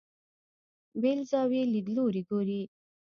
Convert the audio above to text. بېل زاویې لیدلوري ګوري.